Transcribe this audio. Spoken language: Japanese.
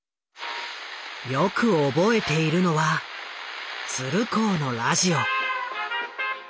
よく覚えているのは鶴光のラジオ。